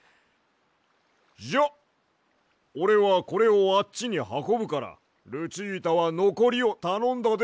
じゃあおれはこれをあっちにはこぶからルチータはのこりをたのんだで。